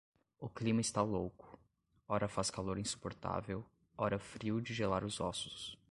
O clima está louco: ora faz calor insuportável, ora frio de gelar os ossos.